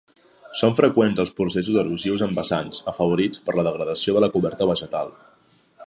Són freqüents els processos erosius en vessants, afavorits per la degradació de la coberta vegetal.